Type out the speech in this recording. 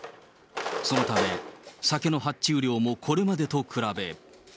そのため、酒の発注量もこれまでと比べ。